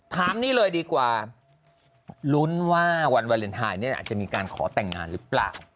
ถามนี่เลยดีกว่าลุ้นว่าวันวาเลนไทยเนี่ยอาจจะมีการขอแต่งงานหรือเปล่า